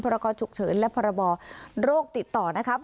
กรกชุกเฉินและพรบโรคติดต่อนะครับ